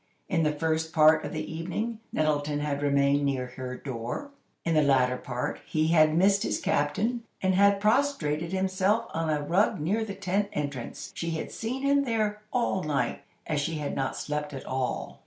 In the first part of the evening, Nettleton had remained near her door; in the latter part, he had missed his captain, and had prostrated himself on a rug near the tent entrance. She had seen him there all night, as she had not slept at all.